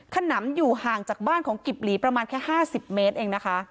ขนำอยู่ห่างจากบ้านของกิบหลีประมาณแค่๕๐เมตรเองนะคะ